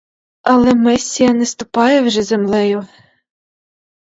Але месія не ступає вже землею.